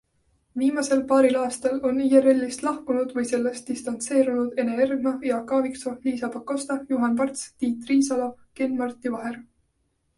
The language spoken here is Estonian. Viimasel paaril aastal on IRList lahkunud või sellest distantseerunud Ene Ergma, Jaak Aaviksoo, Liisa Pakosta, Juhan Parts, Tiit Riisalo, Ken-Marti Vaher.